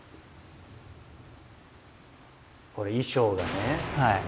これ衣装がね